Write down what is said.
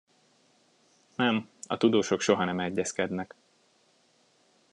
Nem, a tudósok soha nem egyezkednek.